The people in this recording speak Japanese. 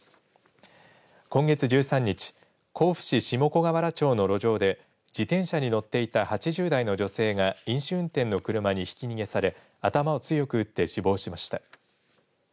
今月１３日甲府市下小河原町の路上で自転車に乗っていた８０代の女性が飲酒運転の車にひき逃げされ頭を強く打って死亡しました。